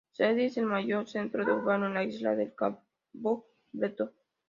Sydney es el mayor centro urbano en la isla del Cabo Bretón.